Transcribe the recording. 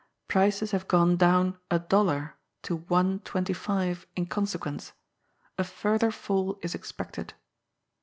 Prices have gone down a dollar to 1.25 in consequence. A further fall is expected."